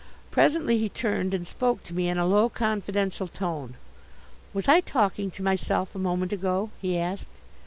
Presently he turned and spoke to me in a low, confidential tone. "Was I talking to myself a moment ago?" he asked.